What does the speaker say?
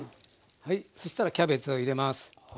はいそしたらキャベツを入れます。